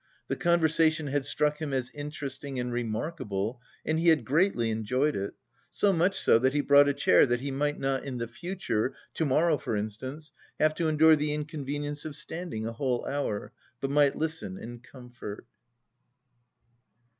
The conversation had struck him as interesting and remarkable, and he had greatly enjoyed it so much so that he brought a chair that he might not in the future, to morrow, for instance, have to endure the inconvenience of standing a whole hour, but might listen in comfort.